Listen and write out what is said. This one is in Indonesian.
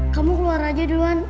kamu keluar aja duluan